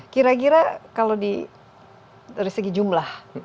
kira kira kalau dari segi jumlah